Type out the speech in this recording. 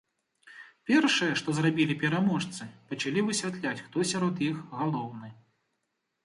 Першае, што зрабілі пераможцы, пачалі высвятляць, хто сярод іх галоўны.